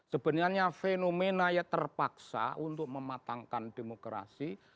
sebenarnya fenomena yang terpaksa untuk mematangkan demokrasi